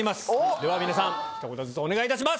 では皆さんひと言ずつお願いいたします。